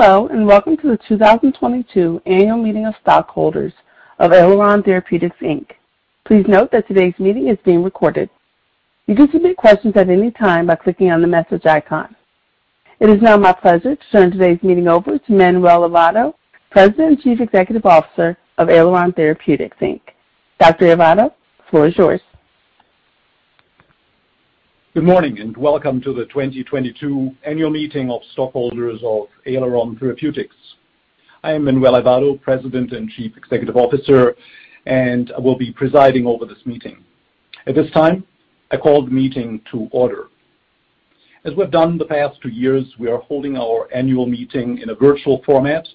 Hello, and welcome to the 2022 annual meeting of stockholders of Aileron Therapeutics, Inc. Please note that today's meeting is being recorded. You can submit questions at any time by clicking on the message icon. It is now my pleasure to turn today's meeting over to Manuel C. Aivado, President and Chief Executive Officer of Reine Therapeutics, Inc. Dr. Alves Aivado, the floor is yours. Good morning, and welcome to the 2022 annual meeting of stockholders of Aileron Therapeutics. I am Manuel C. Alves Aivado, President and Chief Executive Officer, and I will be presiding over this meeting. At this time, I call the meeting to order. As we've done the past two years, we are holding our annual meeting in a virtual format,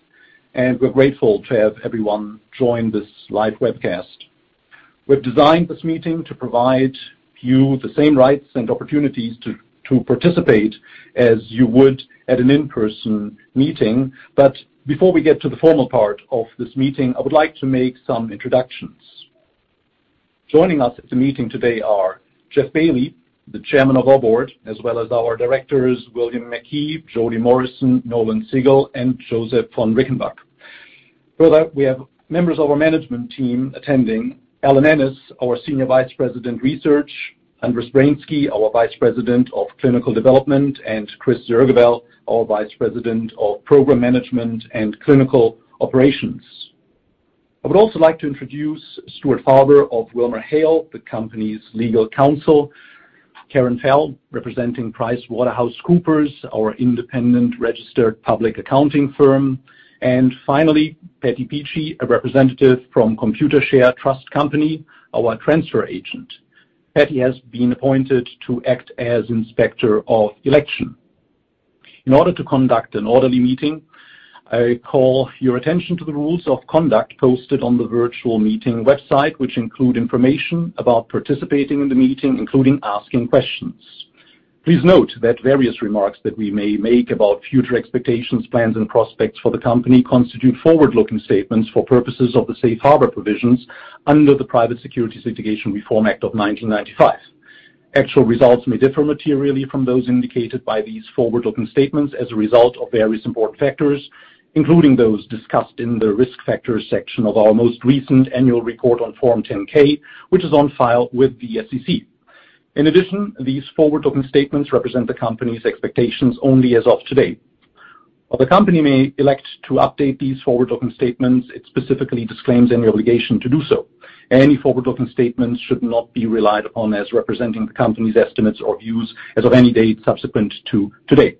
and we're grateful to have everyone join this live webcast. We've designed this meeting to provide you the same rights and opportunities to participate as you would at an in-person meeting. Before we get to the formal part of this meeting, I would like to make some introductions. Joining us at the meeting today are Jeffrey A. Bailey, the Chairman of our board, as well as our directors, William T. McKee, Kathryn J. Morrison, Nolan Sigal, and Josef H. von Rickenbach. Further, we have members of our management team attending. Alan Ennis, our Senior Vice President, Research. Anders N.A. Klarskov, our Vice President of Clinical Development, and Krisztina Vertes, our Vice President of Program Management and Clinical Operations. I would also like to introduce Stuart M. Falber of WilmerHale, the company's legal counsel, Karen Faye, representing PricewaterhouseCoopers, our independent registered public accounting firm. Finally, Patty Peachy, a representative from Computershare Trust Company, our transfer agent. Patty has been appointed to act as inspector of election. In order to conduct an orderly meeting, I call your attention to the rules of conduct posted on the virtual meeting website, which include information about participating in the meeting, including asking questions. Please note that various remarks that we may make about future expectations, plans, and prospects for the company constitute forward-looking statements for purposes of the safe harbor provisions under the Private Securities Litigation Reform Act of 1995. Actual results may differ materially from those indicated by these forward-looking statements as a result of various important factors, including those discussed in the Risk Factors section of our most recent annual report on Form 10-K, which is on file with the SEC. In addition, these forward-looking statements represent the company's expectations only as of today. While the company may elect to update these forward-looking statements, it specifically disclaims any obligation to do so. Any forward-looking statements should not be relied on as representing the company's estimates or views as of any date subsequent to today.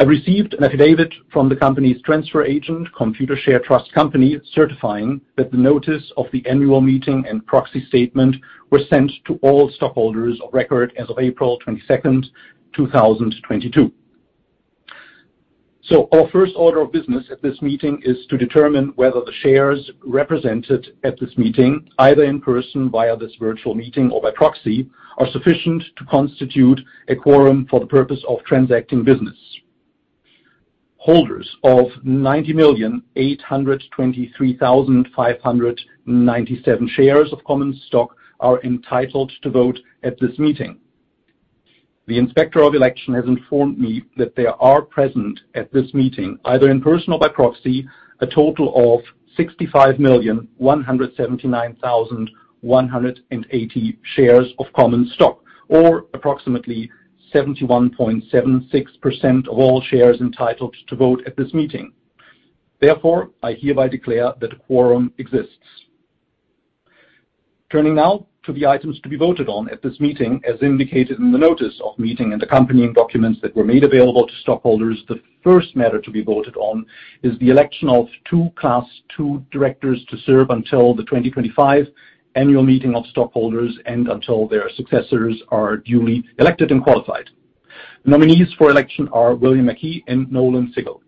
I've received an affidavit from the company's transfer agent, Computershare Trust Company, certifying that the notice of the annual meeting and proxy statement were sent to all stockholders of record as of April 22, 2022. Our first order of business at this meeting is to determine whether the shares represented at this meeting, either in person via this virtual meeting or by proxy, are sufficient to constitute a quorum for the purpose of transacting business. Holders of 90,823,597 shares of common stock are entitled to vote at this meeting. The Inspector of election has informed me that they are present at this meeting, either in person or by proxy, a total of 65,179,180 shares of common stock, or approximately 71.76% of all shares entitled to vote at this meeting. Therefore, I hereby declare that a quorum exists. Turning now to the items to be voted on at this meeting, as indicated in the notice of meeting and accompanying documents that were made available to stockholders. The first matter to be voted on is the election of two Class two directors to serve until the 2025 annual meeting of stockholders and until their successors are duly elected and qualified. The nominees for election are William T. McKee and Nolan Sigal.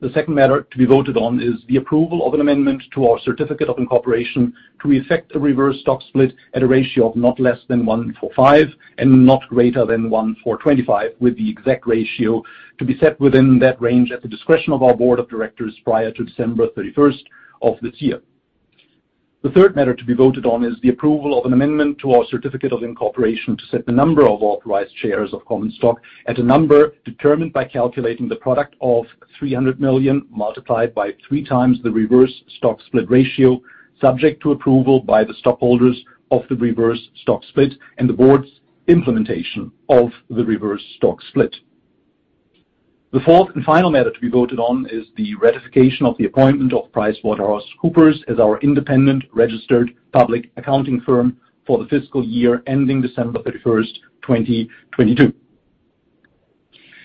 The second matter to be voted on is the approval of an amendment to our Certificate of Incorporation to effect a reverse stock split at a ratio of not less than 1-for-5 and not greater than 1-for-25, with the exact ratio to be set within that range at the discretion of our board of directors prior to December 31 of this year. The third matter to be voted on is the approval of an amendment to our Certificate of Incorporation to set the number of authorized shares of common stock at a number determined by calculating the product of 300 million multiplied by 3x the reverse stock split ratio, subject to approval by the stockholders of the reverse stock split and the board's implementation of the reverse stock split. The fourth and final matter to be voted on is the ratification of the appointment of PricewaterhouseCoopers as our independent registered public accounting firm for the fiscal year ending December 31, 2022.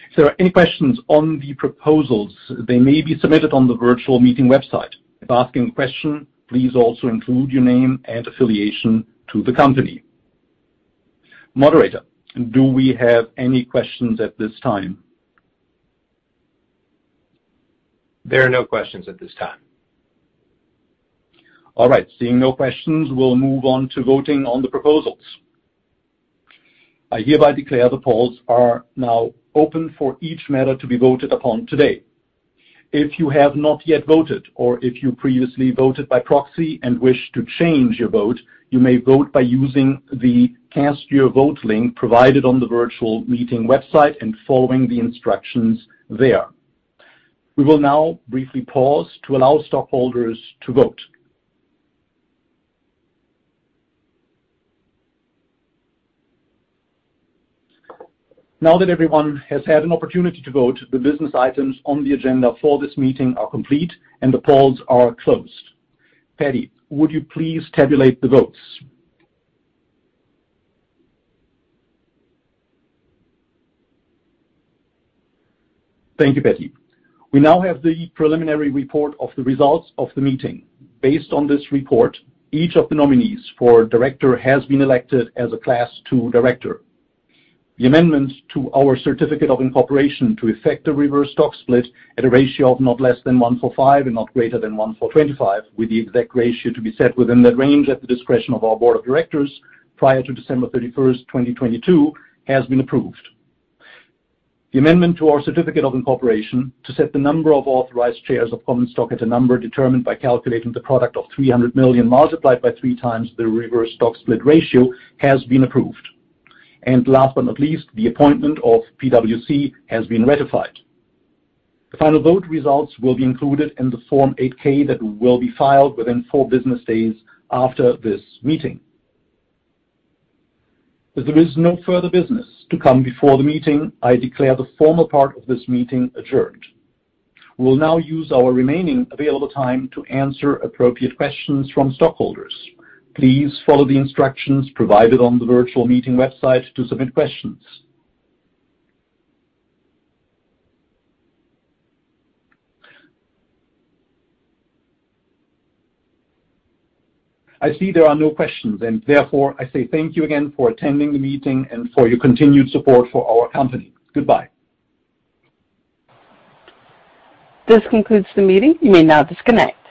If there are any questions on the proposals, they may be submitted on the virtual meeting website. If asking a question, please also include your name and affiliation to the company. Moderator, do we have any questions at this time? There are no questions at this time. All right. Seeing no questions, we'll move on to voting on the proposals. I hereby declare the polls are now open for each matter to be voted upon today. If you have not yet voted or if you previously voted by proxy and wish to change your vote, you may vote by using the Cast Your Vote link provided on the virtual meeting website and following the instructions there. We will now briefly pause to allow stockholders to vote. Now that everyone has had an opportunity to vote, the business items on the agenda for this meeting are complete, and the polls are closed. Patty, would you please tabulate the votes? Thank you, Patty. We now have the preliminary report of the results of the meeting. Based on this report, each of the nominees for director has been elected as a class two director. The amendments to our certificate of incorporation to effect a reverse stock split at a ratio of not less than 1-for-5 and not greater than 1-for-25, with the exact ratio to be set within that range at the discretion of our board of directors prior to December 31, 2022, has been approved. The amendment to our certificate of incorporation to set the number of authorized shares of common stock at a number determined by calculating the product of 300 million multiplied by 3x the reverse stock split ratio has been approved. Last but not least, the appointment of PwC has been ratified. The final vote results will be included in the Form 8-K that will be filed within four business days after this meeting. As there is no further business to come before the meeting, I declare the formal part of this meeting adjourned. We will now use our remaining available time to answer appropriate questions from stockholders. Please follow the instructions provided on the virtual meeting website to submit questions. I see there are no questions, and therefore I say thank you again for attending the meeting and for your continued support for our company. Goodbye. This concludes the meeting. You may now disconnect.